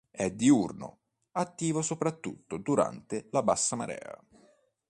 È diurno, attivo soprattutto durante la bassa marea.